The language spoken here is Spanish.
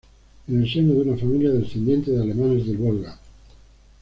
En el seno de una familia descendiente de alemanes del Volga.